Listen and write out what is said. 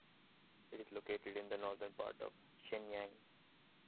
It is located in the northern part of Shenyang.